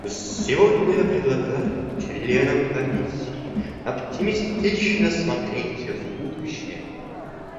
Сегодня я предлагаю членам Комиссии оптимистично смотреть в будущее.